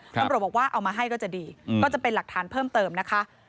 ตำรวจบอกว่าเอามาให้ก็จะดีก็จะเป็นหลักฐานเพิ่มเติมนะคะ